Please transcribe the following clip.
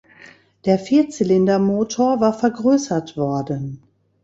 Der Vierzylindermotor war vergrößert worden.